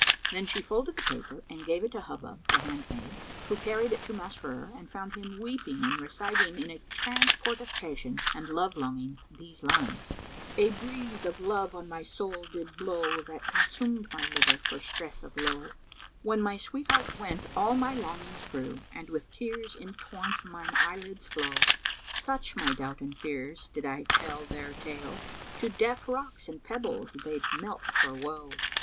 Then she folded the paper and gave it to Hubub the handmaid, who carried it to Masrur and found him weeping and reciting in a transport of passion and love longing these lines, "A breeze of love on my soul did blow * That consumed my liver for stress of lowe; When my sweetheart went all my longings grew; * And with tears in torrent mine eyelids flow: Such my doubt and fears, did I tell their tale * To deaf rocks and pebbles they'd melt for woe.